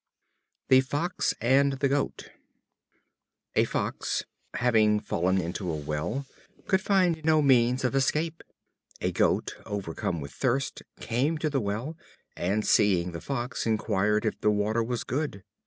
The Fox and the Goat. A Fox, having fallen into a well, could find no means of escape. A Goat, overcome with thirst, came to the well, and, seeing the Fox, inquired if the water was good.